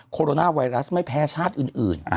จนแฉะไวรัสไม่แพร่ชาติอื่น